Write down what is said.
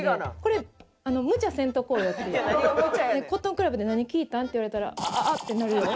「コットンクラブで何聴いたん？」って言われたら「あぁっ」ってなるやろ？